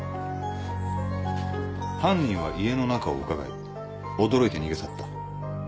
犯人は家の中をうかがい驚いて逃げ去った。